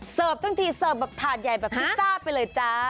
เสิร์ฟทั้งทีเสิร์ฟแบบถาดใหญ่แบบพิซซ่าไปเลยจ้า